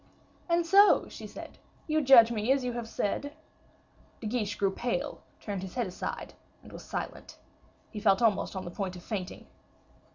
"And so," she said, "you judge me as you have said?" De Guiche grew pale, turned his head aside, and was silent. He felt almost on the point of fainting.